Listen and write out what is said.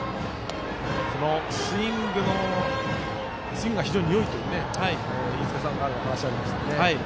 スイングが非常によいという飯塚さんからもお話がありました。